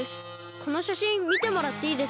このしゃしんみてもらっていいですか？